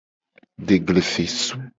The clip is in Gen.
Deglefesu.